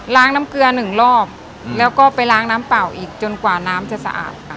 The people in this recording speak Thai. น้ำเกลือหนึ่งรอบแล้วก็ไปล้างน้ำเปล่าอีกจนกว่าน้ำจะสะอาดค่ะ